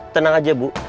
tenang aja bu